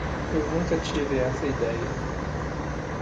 Eu nunca tive essa ideia.